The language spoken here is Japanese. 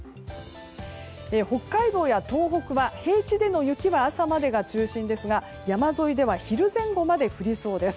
北海道や東北は平地での雪は朝までが中心ですが山沿いでは昼前後まで降りそうです。